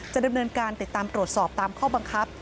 ดำเนินการติดตามตรวจสอบตามข้อบังคับ